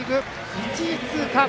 １位通過！